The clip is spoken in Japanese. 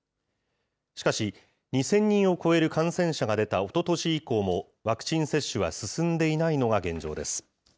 しかし、２０００人を超える感染者が出たおととし以降も、ワクチン接種は進んでいないのが現状です。